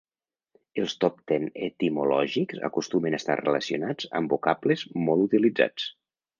Els top ten etimològics acostumen a estar relacionats amb vocables molt utilitzats.